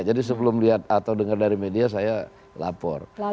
jadi sebelum lihat atau dengar dari media saya lapor